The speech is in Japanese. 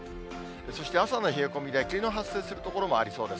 そして、朝の冷え込みで霧の発生する所もありそうです。